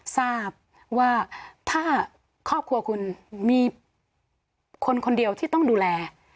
ทราบว่าถ้าครอบครัวคุณมีคนคนเดียวที่ต้องดูแล